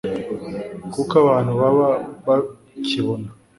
kuko abantu baba bakibona